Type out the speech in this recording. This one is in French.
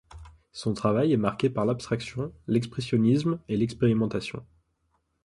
Son travail est marqué par l'abstraction, l'expressionnisme et l'expérimentation.